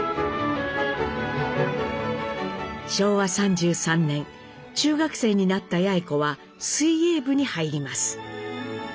昭和３３年中学生になった八詠子は水泳部に入ります。